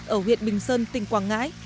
ở huyện bình sơn tỉnh quảng ngãi